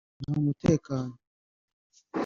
nta mutekano